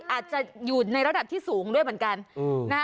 อาจจะอยู่ในระดับที่สูงด้วยเหมือนกัน